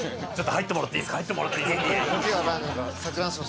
入ってもらっていいですか？